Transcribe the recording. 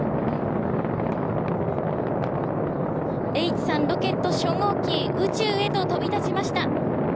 Ｈ３ロケット初号機宇宙へと飛び立ちました。